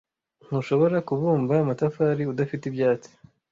Ntushobora kubumba amatafari udafite ibyatsi.